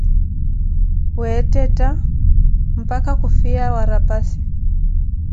Weethetha mpakah khu fiya wa rapassi